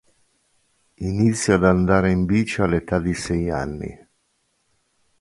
Inizia ad andare in bici all'età di sei anni.